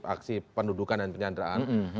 aksi pendudukan dan penyanderaan